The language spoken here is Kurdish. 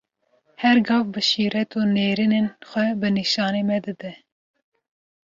Her gav bi şîret û nêrînên xwe, rê nîşanî me dide.